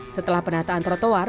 setelah penataan protowar